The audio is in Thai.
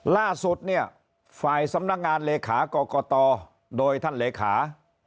ล่าสุดเนี่ยฝ่ายสำนักงานเลขากรกตโดยท่านเลขา